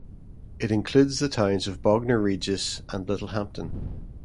It includes the towns of Bognor Regis and Littlehampton.